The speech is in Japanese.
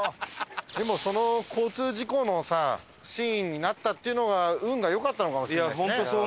でもその交通事故のさシーンになったっていうのは運が良かったのかもしれないですね。